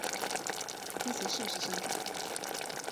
规则是不是真的